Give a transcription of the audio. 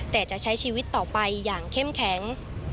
แต่จะใช้ชีวิตต่อไปอย่างเข้มแข็ง